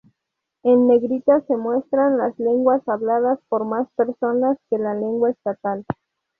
En negrita se muestran las lenguas habladas por más personas que la lengua estatal.